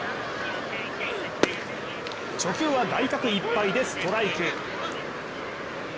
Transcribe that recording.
初球は外角いっぱいでストライク。